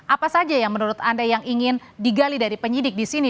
apa saja yang menurut anda yang ingin digali dari penyidik di sini